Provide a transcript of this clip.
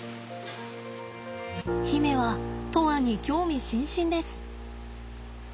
媛は砥愛に興味津々です。